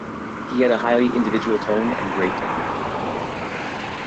He had a highly individual tone and great technique.